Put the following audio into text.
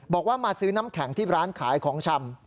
บอกว่ามาซื้อน้ำแข็งที่ร้านขายของชำ